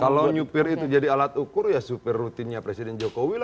kalau nyupir itu jadi alat ukur ya supir rutinnya presiden jokowi lah